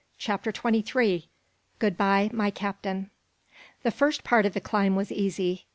CHAPTER XXIII "GOOD BYE, MY CAPTAIN!" The first part of the climb was easy.